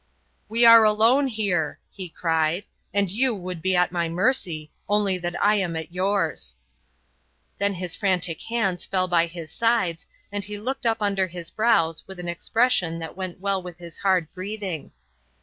"We are alone here," he cried, "and you would be at my mercy, only that I am at yours." Then his frantic hands fell by his sides and he looked up under his brows with an expression that went well with his hard breathing.